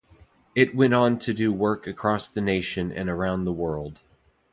It went on to do work across the nation and around the world.